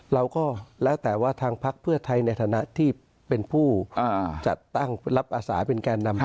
เราก็แล้วแต่ว่าทางพักเพื่อไทยในฐานะที่เป็นผู้จัดตั้งรับอาสาเป็นแก่นำ